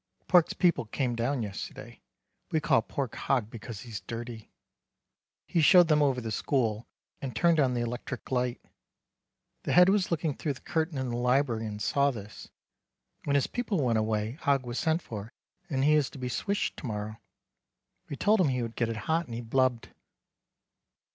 Pork's people came down yesterday. We call Pork Hogg because he's dirty. He showed them over the school, and turned on the electrik light. The Head was looking through the curtain in the library and saw this. When his people went away Hogg was sent for and he is to be swished to morrow. We told him he would get it hot and he blubbed.